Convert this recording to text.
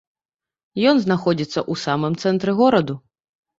Ён знаходзіцца ў самым цэнтры гораду.